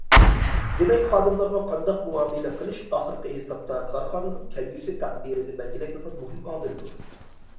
دېمەك، خادىملارغا قانداق مۇئامىلە قىلىش ئاخىرقى ھېسابتا كارخانىنىڭ كەلگۈسى تەقدىرىنى بەلگىلەيدىغان مۇھىم ئامىلدۇر.